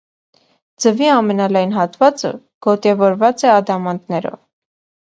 Ձվի ամենալայն հատվածը գոտևորված է ադամանդներով։